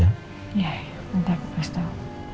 ya nanti aku kasih tau